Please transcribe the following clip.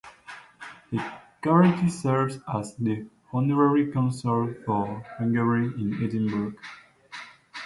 He currently serves as the honorary consul for Hungary in Edinburgh.